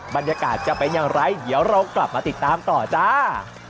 บรรยากาศจะเป็นอย่างไรเดี๋ยวเรากลับมาติดตามต่อจ้า